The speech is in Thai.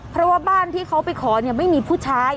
เพราะว่าบ้านที่เขาไปขอเนี่ยไม่มีผู้ชาย